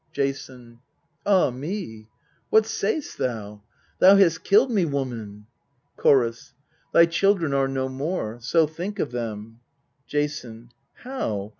Jason. Ah me ! what sayst thou ? thou hast killed me, woman ! Chorus. Thy children are no more : so think of them. Jason. How